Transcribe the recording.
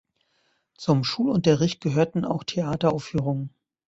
Zum Schulunterricht gehörten auch Theateraufführungen.